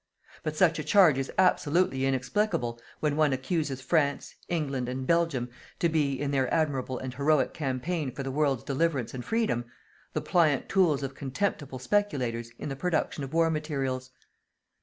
But such a charge is absolutely inexplicable when one accuses France, England and Belgium to be, in their admirable and heroic campaign for the world's deliverance and freedom, the pliant tools of contemptible speculators in the production of war materials.